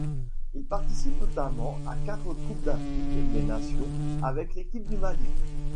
Il participe notamment à quatre Coupes d'Afrique des nations avec l'équipe du Mali.